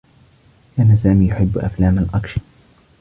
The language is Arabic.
كان سامي يحبّ أفلام الأكشن.